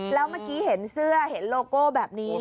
แล้วเมื่อกี้เห็นเสื้อเห็นโลโก้แบบนี้